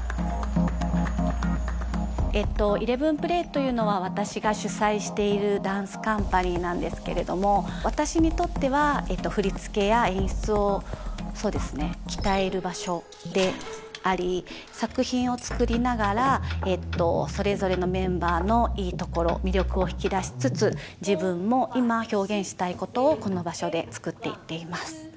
ＥＬＥＶＥＮＰＬＡＹというのは私が主宰しているダンスカンパニーなんですけれども私にとっては振付や演出をそうですね鍛える場所であり作品を作りながらそれぞれのメンバーのいいところ魅力を引き出しつつ自分も今表現したいことをこの場所で作っていっています。